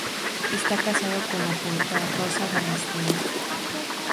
Está casado con la poeta Rosa Galisteo.